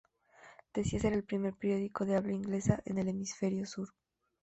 Decía ser el primer periódico de habla inglesa en el hemisferio sur.